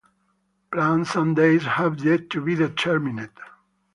Plans and dates have yet to be determined.